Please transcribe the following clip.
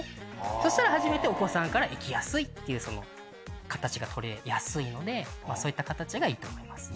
そしたら初めてお子さんから行きやすいっていうその形が取れやすいのでそういった形がいいと思います。